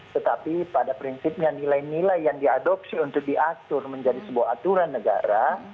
tetapi pada prinsipnya nilai nilai yang diadopsi untuk diatur menjadi sebuah aturan negara